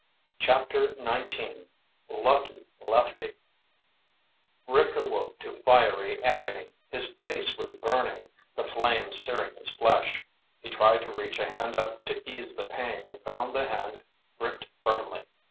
CHAPTER XIX Lucky Lefty Rick awoke to fiery agony. His face was burning, the flames searing his flesh. He tried to reach a hand up to ease the pain and found the hand gripped firmly.